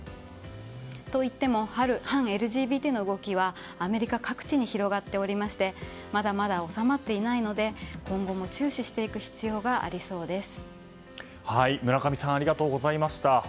といっても、反ＬＧＢＴの動きはアメリカ各地に広がっておりましてまだまだ収まっていないので今後も注視していく村上さんありがとうございました。